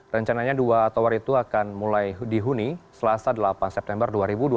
rencananya dua tower itu akan mulai dihuni selasa delapan september dua ribu dua puluh